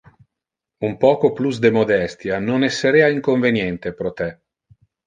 Un poco plus de modestia non esserea inconveniente pro te!